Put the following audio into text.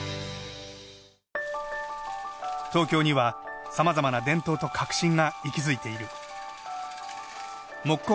東京にはさまざまな伝統と革新が息づいている。